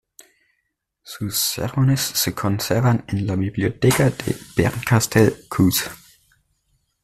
Sus sermones se conservan en la Biblioteca de Bernkastel-Kues.